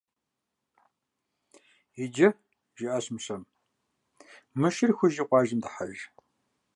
Иджы, - жиӀащ Мыщэм, - мы шыр хужи къуажэм дыхьэж.